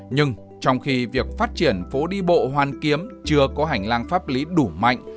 nhưng trong khi việc phát triển phố đi bộ hoàn kiếm chưa có hành lang pháp lý đủ mạnh